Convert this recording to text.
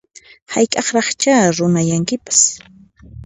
Hayk'aqraqchá runayankipas